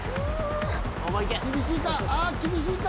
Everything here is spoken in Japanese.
厳しいか？